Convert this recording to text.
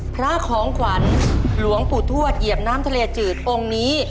พระของขวัญหลวงปู่ทวดเหยียบน้ำทะเลจืดองค์นี้